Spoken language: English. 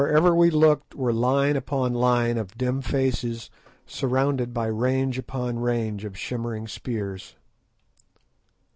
Wherever we looked were line upon line of dim faces surmounted by range upon range of shimmering spears.